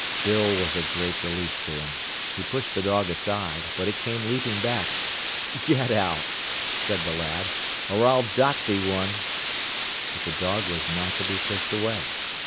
Bill was a great relief to him. He pushed the dog aside, but it came leaping back. "Get out," said the lad, "or I'll dot thee one." But the dog was not to be pushed away.